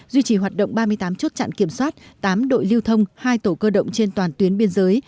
duy trì hoạt động ba mươi tám chốt chặn kiểm soát tám đội lưu thông hai tổ cơ động trên toàn tuyến biên giới